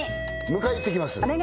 迎え行ってきます楽しみ！